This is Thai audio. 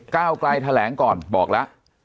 ก้าวไกลแถลงก่อนบอกแล้ว